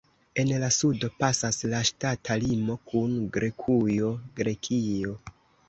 En la sudo pasas la ŝtata limo kun Grekujo (Grekio).